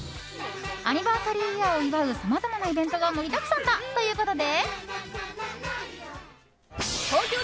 アニバーサリーイヤーを祝うさまざまなイベントが盛りだくさんだということで。